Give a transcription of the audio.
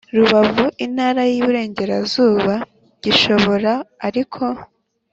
Rubavu intara y iburengerazuba gishobora ariko